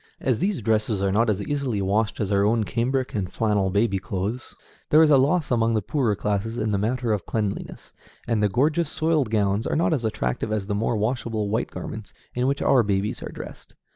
As these dresses are not as easily washed as our own cambric and flannel baby clothes, there is a loss among the poorer classes in the matter of cleanliness; and the gorgeous soiled gowns are not as attractive as the more washable white garments in which our babies are dressed.